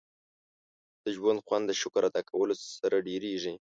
• د ژوند خوند د شکر ادا کولو سره ډېرېږي.